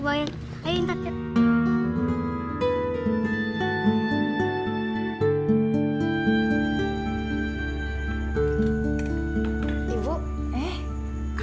kamu sudah bangun gimana